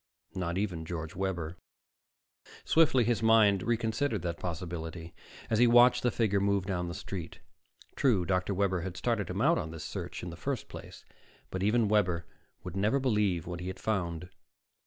Not even George Webber. Swiftly his mind reconsidered that possibility as he watched the figure move down the street. True, Dr. Webber had started him out on this search in the first place. But even Webber would never believe what he had found.